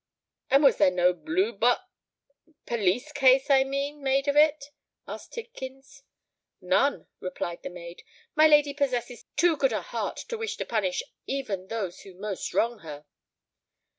"And was there no blue bot—police case, I mean, made of it?" asked Tidkins. "None," replied the maid. "My lady possesses too good a heart to wish to punish even those who most wrong her."